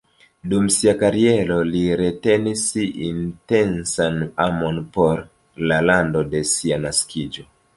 Dum sia kariero, li retenis intensan amon por la lando de sia naskiĝo.